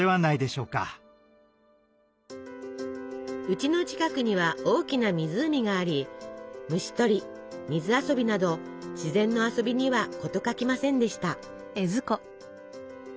うちの近くには大きな湖があり虫取り水遊びなど自然の遊びには事欠きませんでした。